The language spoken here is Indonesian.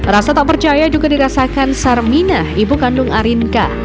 rasa tak percaya juga dirasakan sarmina ibu kandung arinka